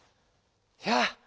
やあ